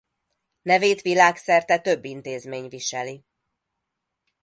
Nevét világszerte több intézmény viseli.